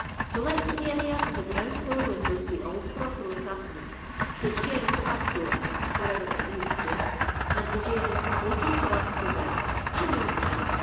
So let the area and the ground floor windows be all properly fastened: take care of the back door, wherever it leads to—and, be Jasus! we'll keep the rascals out! I know 'em well!